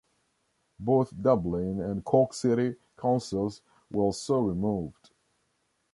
Both Dublin and Cork city councils were so removed.